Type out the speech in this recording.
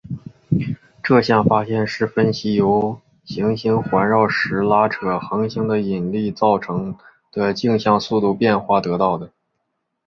这项发现是分析由行星环绕时拉扯恒星的引力造成的径向速度变化得到的。